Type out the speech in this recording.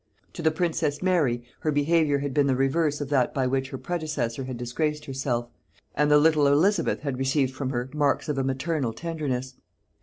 To the princess Mary her behaviour had been the reverse of that by which her predecessor had disgraced herself; and the little Elizabeth had received from her marks of a maternal tenderness.